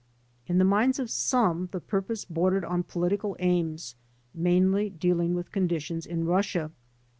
In the minds of some the purpose bordered on political aims, mainly dealing with conditions in Russia.